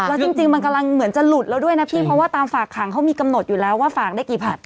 แล้วจริงมันกำลังเหมือนจะหลุดแล้วด้วยนะพี่เพราะว่าตามฝากขังเขามีกำหนดอยู่แล้วว่าฝากได้กี่ผัด